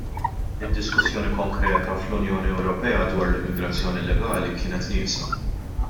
Id-diskussjoni konkreta fl-Unjoni Ewropea dwar l-immigrazzjoni llegali kienet nieqsa.